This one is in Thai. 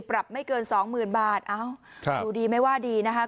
ปรับไม่เกิน๒๐๐๐๐บาทดูดีไม่ว่าดีนะฮะ